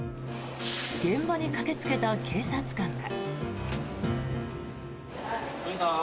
現場に駆けつけた警察官が。